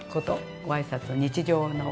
ご挨拶日常の。